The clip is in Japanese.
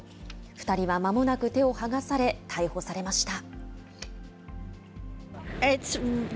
２人はまもなく手を剥がされ、逮捕されました。